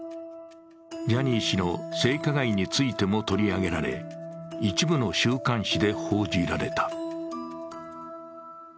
ジャニー氏の性加害についても取り上げられ、一部の週刊誌で報じられた。